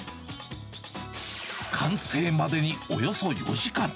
完成までにおよそ４時間。